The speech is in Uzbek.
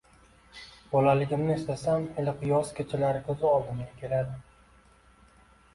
Bolaligimni eslasam, iliq yoz kechalari ko‘z oldimga keladi.